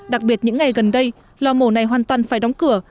đặc biệt những ngày gần đây lò mổ này hoàn toàn phải đóng cửa